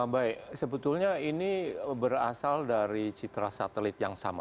baik sebetulnya ini berasal dari citra satelit yang sama